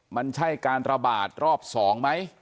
มันใช่การระบาดรอบ๒ไหม